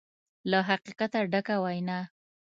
له حقیقته ډکه وینا